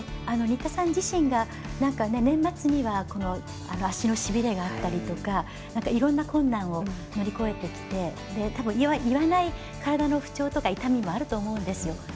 新田さん自身が年末には足のしびれがあったりとかいろんな困難を乗り越えてきて多分言わない体の不調とか痛みもあると思うんですよ。